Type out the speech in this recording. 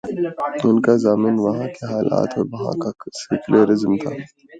ان کا ضامن وہاں کے حالات اور وہاں کا سیکولر ازم تھا۔